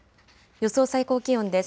予想最高気温です。